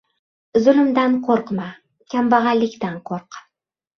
• Zulmdan qo‘rqma, kambag‘allikdan qo‘rq.